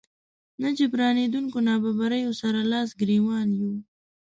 ناجبرانېدونکو نابرابريو سره لاس ګریوان يو.